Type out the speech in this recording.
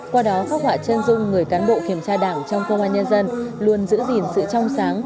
qua đó khắc họa chân dung người cán bộ kiểm tra đảng trong công an nhân dân luôn giữ gìn sự trong sáng